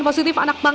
kepada anak anak bang